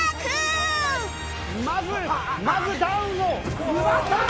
まずまずダウンを奪ったー！